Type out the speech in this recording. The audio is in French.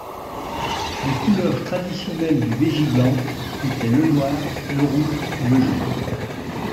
Les couleurs traditionnelles du vejigante étaient le noir, le rouge et le jaune.